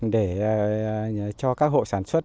để cho các hộ sản xuất